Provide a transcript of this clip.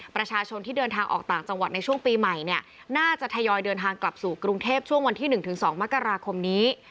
ประชาชนที่เดินทางออกต่างจังหวัดในช่วงปีใหม่เนี่ยน่าจะทยอยเดินทางกลับสู่กรุงเทพช่วงวันที่๑๒มกราคมนี้